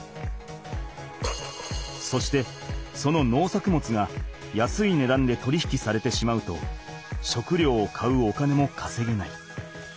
そしてその農作物が安い値段で取り引きされてしまうと食料を買うお金もかせげない。